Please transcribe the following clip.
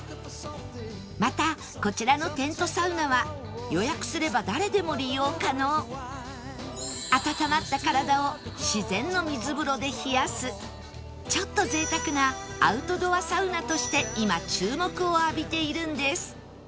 またこちらのテントサウナは予約すれば誰でも利用可能温まった体を自然の水風呂で冷やすちょっと贅沢なアウトドアサウナとして今注目を浴びているんです